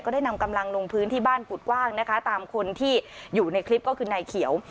ได้นำกำลังลงพื้นที่บ้านกุฎกว้างนะคะตามคนที่อยู่ในคลิปก็คือนายเขียว